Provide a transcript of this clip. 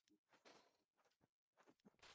Estudió en la Universidad de Brighton.